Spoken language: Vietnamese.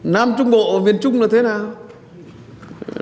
nam trung bộ miền trung là thế nào